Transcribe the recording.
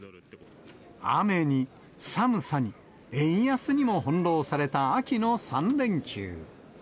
雨に、寒さに、円安にも翻弄された秋の３連休。